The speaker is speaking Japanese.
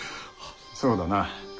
そうだな。